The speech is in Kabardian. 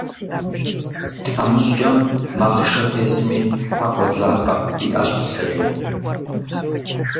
«Тхьэмыщкӏэм махъшэ тесми хьэ къодзакъэ», жиӏащ пасэрейм.